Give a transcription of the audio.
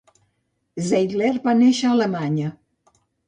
Zeidler va néixer a Alemanya.